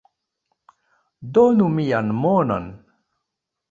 Donu mian monon